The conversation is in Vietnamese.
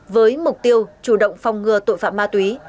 với mục tiêu chủ động phòng ngừa tội phạm ma túy